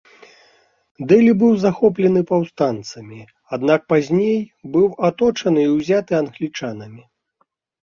Дэлі быў захоплены паўстанцамі, аднак пазней быў аточаны і ўзяты англічанамі.